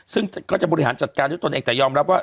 ซึ่งก็จะบริหารจัดการด้วยตนเองแต่ยอมรับว่า